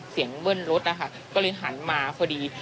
เสียงเวิ่นรถอ่ะค่ะก็เลยหันมาพอดี